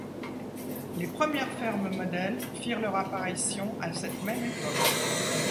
Les premières fermes modèles firent leur apparition à cette même époque.